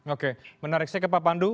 oke menarik sekali pak pandu